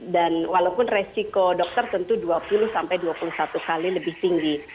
dan walaupun resiko dokter tentu dua puluh dua puluh satu kali lebih tinggi